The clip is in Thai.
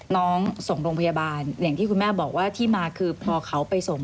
น้องส่งโรงพยาบาลอย่างที่คุณแม่บอกว่าที่มาคือพอเขาไปส่ง